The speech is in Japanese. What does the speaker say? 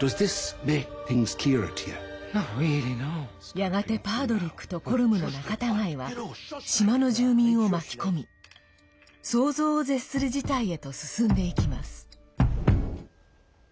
やがてパードリックとコルムの仲たがいは島の住民を巻き込み想像を絶する事態へと進んでいきます。